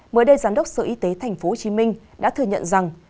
mới đây giám đốc sở y tế tp hcm đã thừa nhận rằng